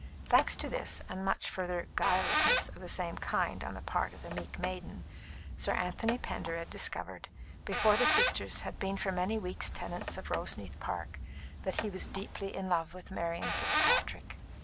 Thanks to this, and much further "guilelessness" of the same kind on the part of the meek maiden, Sir Anthony Pendered discovered, before the sisters had been for many weeks tenants of Roseneath Park, that he was deeply in love with Marian Fitzpatrick.